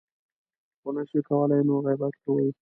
خو نه شي کولی نو غیبت کوي .